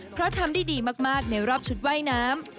เพราะทำได้ดีมากในรอบชุดว่ายน้ำ